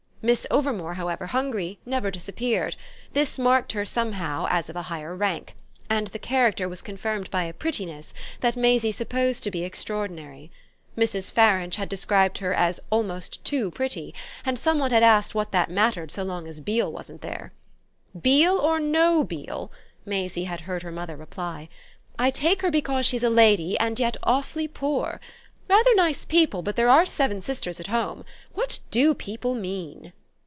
Miss Overmore, however hungry, never disappeared: this marked her somehow as of higher rank, and the character was confirmed by a prettiness that Maisie supposed to be extraordinary. Mrs. Farange had described her as almost too pretty, and some one had asked what that mattered so long as Beale wasn't there. "Beale or no Beale," Maisie had heard her mother reply, "I take her because she's a lady and yet awfully poor. Rather nice people, but there are seven sisters at home. What do people mean?"